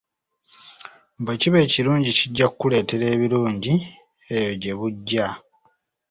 Bwe kiba ekilungi kijja kukuleetera ebilungi eyo gye bujja.